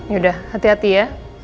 yaudah hati hati ya